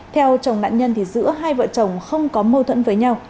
theo chồng nạn nhân thì giữa hai vợ chồng không có mâu thuẫn với nhau